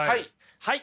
はい！